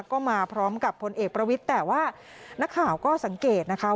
ก็มาพร้อมกับพลเอกประวิทย์แต่ว่านักข่าวก็สังเกตนะคะ